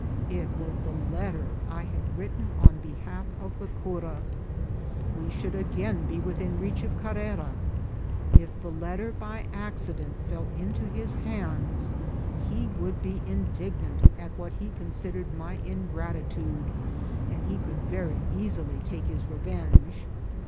It was the letter I had written on behalf of the cura. We should again be within reach of Car rera. If the letter by accident fell into his hands, he would be indignant at what he considered my ingrati tude, and he could very easily take his revenge.